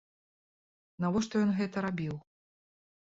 Навошта ён гэта рабіў?